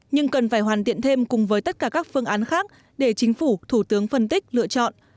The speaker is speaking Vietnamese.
nhưng cần phải hoàn thiện thêm cùng với tất cả các phương án khác để chính phủ thủ tướng phân tích lựa chọn